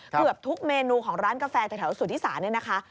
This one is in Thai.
เกือบทุกเมนูของร้านกาแฟแถวสุธิศาลเนี่ยนะคะ